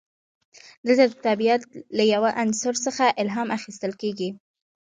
دلته د طبیعت له یو عنصر څخه الهام اخیستل کیږي.